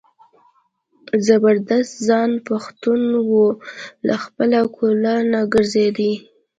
زبردست خان پښتون و له خپله قوله نه ګرځېدی.